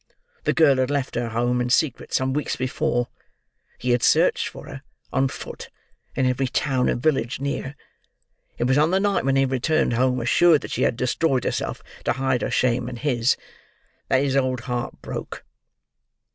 The girl had left her home, in secret, some weeks before; he had searched for her, on foot, in every town and village near; it was on the night when he returned home, assured that she had destroyed herself, to hide her shame and his, that his old heart broke."